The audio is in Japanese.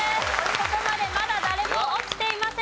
ここまでまだ誰も落ちていません。